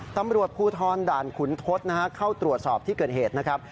ตำรวจภูทรด่านขุนทศเข้าตรวจสอบที่เกิดเหตุนะครับ